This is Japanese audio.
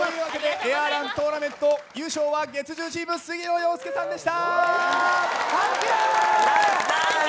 エアーラントーナメント優勝は月１０チーム杉野遥亮さんでした。